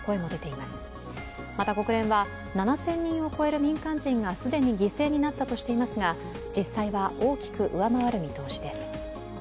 また、国連は７０００人を超える民間人が既に犠牲になったとしていますが実際は大きく上回る見通しです。